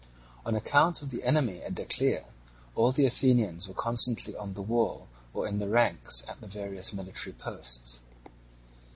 On account of the enemy at Decelea, all the Athenians were constantly on the wall or in the ranks at the various military posts.